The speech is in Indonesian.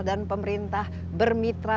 dan pemerintah bermitra